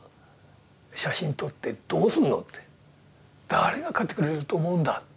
「誰が買ってくれると思うんだ！